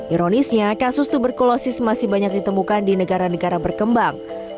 ironisnya kasus tuberkulosis masih banyak ditemukan di negara negara berkembang